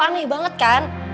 aneh banget kan